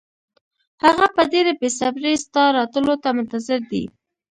هغه په ډېره بې صبرۍ ستا راتلو ته منتظر دی.